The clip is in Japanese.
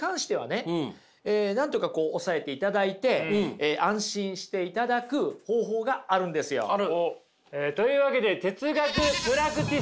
なんとか抑えていただいて安心していただく方法があるんですよ。というわけで哲学プラクティス！